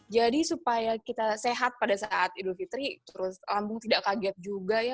jadi supaya kita sehat pada saat idul fitri terus lambung tidak kaget juga ya